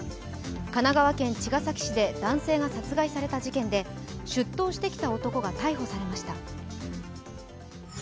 神奈川県茅ヶ崎市で男性が殺害された事件で出頭してきた男が逮捕されました。